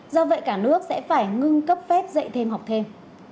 do vậy cả nước sẽ phải ngưng cấp phép dạy thêm học thêm